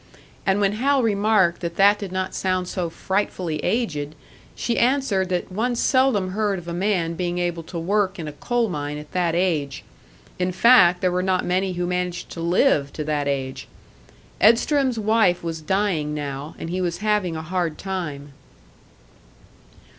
And when Hal remarked that that did not sound so frightfully aged, she answered that one seldom heard of a man being able to work in a coal mine at that age; in fact, there were not many who managed to live to that age. Edstrom's wife was dying now, and he was having a hard time.